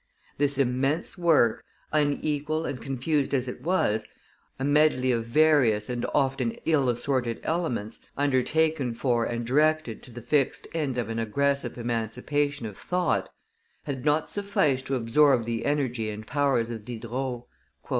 This immense work, unequal and confused as it was, a medley of various and often ill assorted elements, undertaken for and directed to the fixed end of an aggressive emancipation of thought, had not sufficed to absorb the energy and powers of Diderot.